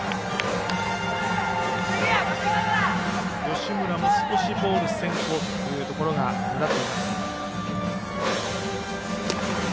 吉村も少しボール先行というところが目立っています。